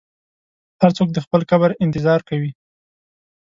هر څوک د خپل قبر انتظار کوي.